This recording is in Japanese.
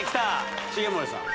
重盛さん